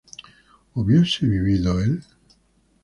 ¿hubiese vivido él?